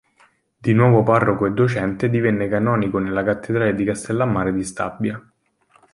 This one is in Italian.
Di nuovo parroco e docente, divenne canonico nella Cattedrale di Castellammare di Stabia.